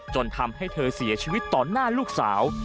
จนทำให้เธอเสียชีวิตต่อหน้าลูกสาว